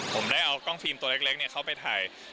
ผมได้เอากล้องฟิล์มตัวเล็กเข้าไปถ่าย